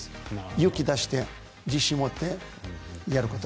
勇気を持って自信を持ってやること。